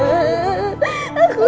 aku gak mau